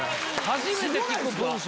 初めて聞く文章。